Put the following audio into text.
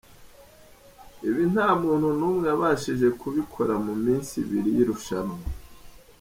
Ibi nta muntu n’umwe wabashije kubikora mu minsi ibiri y’irushanwa.